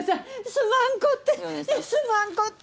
すまんこってすまんこって。